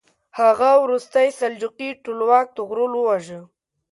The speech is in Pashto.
هغه وروستی سلجوقي ټولواک طغرل وواژه.